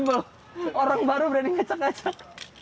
bikin sebuah orang baru berani ngecak ngecak